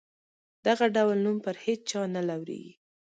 دغه ډول نوم پر هیچا نه لورېږي.